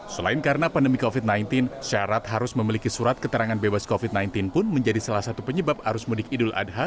selain karena pandemi covid sembilan belas syarat harus memiliki surat keterangan bebas covid sembilan belas pun menjadi salah satu penyebab arus mudik idul adha